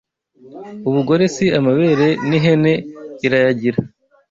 Ubugore si amabere n'ihene irayagira